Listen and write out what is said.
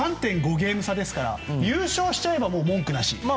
ゲーム差ですから優勝しちゃえば文句なし。